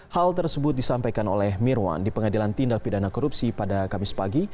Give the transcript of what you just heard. hal tersebut disampaikan oleh mirwan di pengadilan tindak pidana korupsi pada kamis pagi